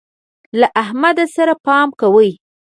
له احمد سره پام کوئ.